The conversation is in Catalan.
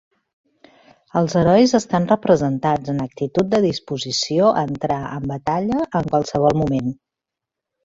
Els herois estan representats en actitud de disposició a entrar en batalla en qualsevol moment.